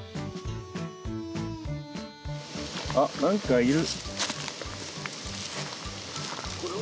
あっ何かいる。